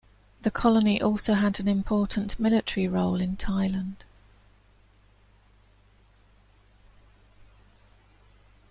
The colony also had an important military role in Thailand.